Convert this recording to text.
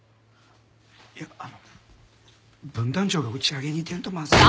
いやあの分団長が打ち上げに出んとまずいやろ。